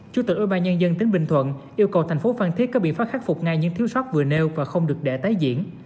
chủ tịch ủy ban nhân dân tỉnh bình thuận yêu cầu tp phan thiết có biện pháp khắc phục ngay những thiếu sóc vừa nêu và không được để tái diễn